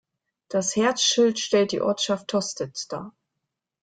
Das Herzschild stellt die Ortschaft Tostedt dar.